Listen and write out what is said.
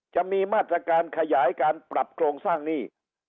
จะมีมาตรการขยายการปรับโครงสร้างหนี้